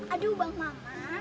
aduh bang mama